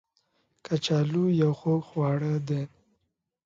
کچالو یو خوږ خواړه دی